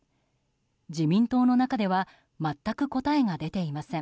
自民党の中では全く答えが出ていません。